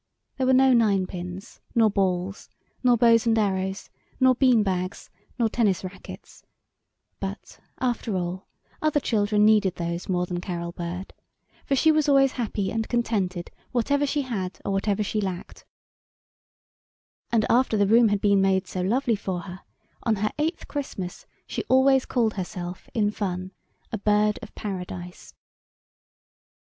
There were no ninepins, nor balls, nor bows and arrows, nor bean bags, nor tennis rackets; but, after all, other children needed these more than Carol Bird, for she was always happy and contented whatever she had or whatever she lacked; and after the room had been made so lovely for her, on her eighth Christmas, she always called herself, in fun, a "Bird of Paradise."